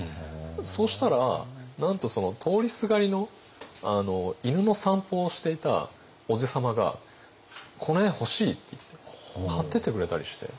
そしたらなんと通りすがりの犬の散歩をしていたおじさまが「この絵欲しい」って言って買ってってくれたりして。